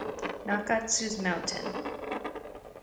Nakatsu's Mt.